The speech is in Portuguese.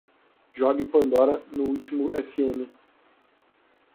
Jogue Pandora no último Fm